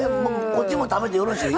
こっちも食べてよろしい？